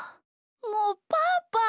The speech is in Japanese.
もうパパ！